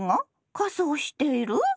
仮装している？